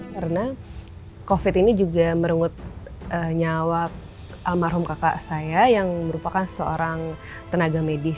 karena covid ini juga merengut nyawa almarhum kakak saya yang merupakan seorang tenaga medis